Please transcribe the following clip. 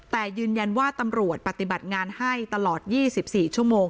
แต่ยืนยันว่าตำรวจปฏิบัติงานให้ตลอด๒๔ชั่วโมง